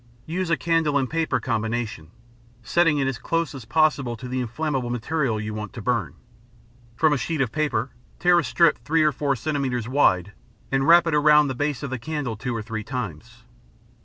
Use a candle and paper, combination, setting it as close as possible to the inflammable material you want to burn: From a sheet of paper, tear a strip three or four centimeters wide and wrap it around the base of the candle two or three times.